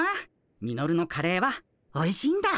ミノルのカレーはおいしいんだ。